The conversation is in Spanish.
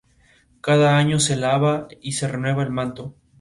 Cada año se lava y se renueva el manto.